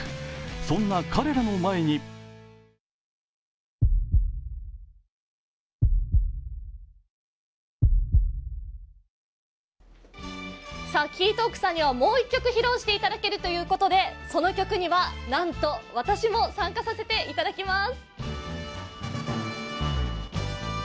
そんな彼らの前にさあ、ＫＥＹＴＡＬＫさんにはもう一曲披露していただけるということで、その曲には、なんと私も参加させていただきます。